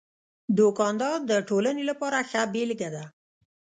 دوکاندار د ټولنې لپاره ښه بېلګه ده.